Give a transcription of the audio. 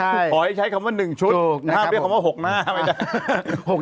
ขอให้ใช้คำว่า๑ชุดห้ามเรียกคำว่า๖หน้าไม่ได้